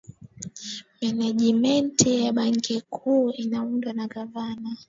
menejimenti ya benki kuu inaundwa na gavana